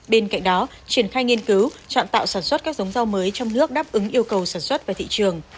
bên cạnh đó triển khai nghiên cứu chọn tạo sản xuất các giống rau mới trong nước đáp ứng yêu cầu sản xuất và thị trường